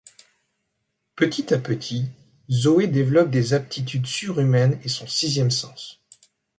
Petit à petit, Zoé développe des aptitudes surhumaines et son sixième sens.